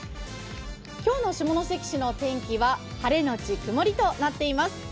今日の下関の天気は晴れ後曇りとなっています。